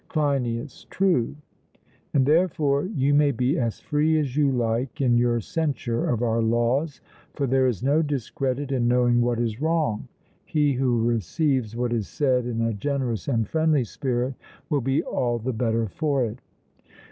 CLEINIAS: True. And therefore you may be as free as you like in your censure of our laws, for there is no discredit in knowing what is wrong; he who receives what is said in a generous and friendly spirit will be all the better for it.